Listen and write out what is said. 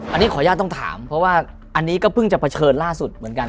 อันนี้ขออนุญาตต้องถามเพราะว่าอันนี้ก็เพิ่งจะเผชิญล่าสุดเหมือนกัน